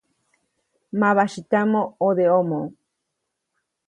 Mabasyätyamä ʼodeʼomo.